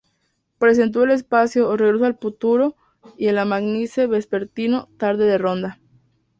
Presentó el espacio "Regreso al futuro" y el magazine vespertino "Tarde de Ronda".